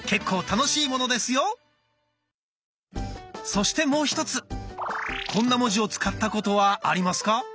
そしてもう１つこんな文字を使ったことはありますか？